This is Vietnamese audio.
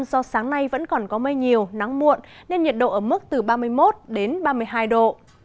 do sáng nay vẫn còn có mây nhiều nắng muộn nên nhiệt độ ở mức từ ba mươi một đến ba mươi hai độ